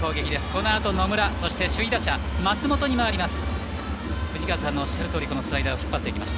このあと野村そして首位打者松本に回ります。